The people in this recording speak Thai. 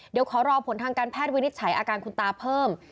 เดี๋ยวขอรอผลทางการแพทย์วินิจฉัยอาการคุณตาเพิ่ม